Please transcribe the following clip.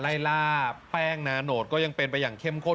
ไล่ล่าแป้งนาโนตก็ยังเป็นไปอย่างเข้มข้น